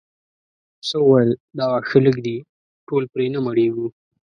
پسه وویل دا واښه لږ دي ټول پرې نه مړیږو.